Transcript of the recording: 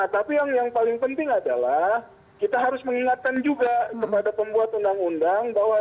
tapi yang paling penting adalah kita harus mengingatkan juga kepada pembuat undang undang bahwa